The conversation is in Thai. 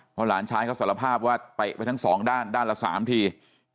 เพราะหลานชายเขาสารภาพว่าเตะไปทั้งสองด้านด้านละ๓ที